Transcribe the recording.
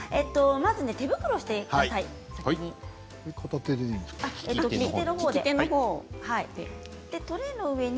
まずは手袋をしてください先に。